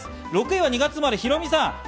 ６位は２月生まれの方、ヒロミさん。